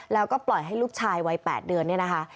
แล้วก็ปล่อยให้ลูกชายวัย๘เดือนเนี่ยนะคะ